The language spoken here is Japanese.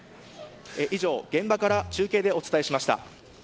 以上、現場から中継でお伝えしました。